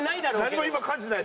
何も今感じてないです。